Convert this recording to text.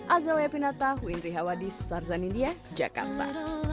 azalea pinata windri hawadis sarzan india jakarta